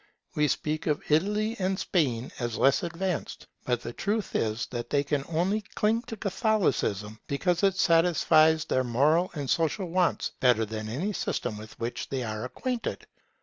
We speak of Italy and Spain as less advanced; but the truth is that they only cling to Catholicism because it satisfies their moral and social wants better than any system with which they are acquainted.